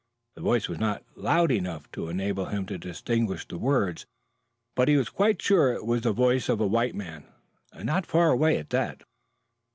The voice was not loud enough to enable him to distinguish the words, but he was quite sure it was the voice of a white man and not far away at that.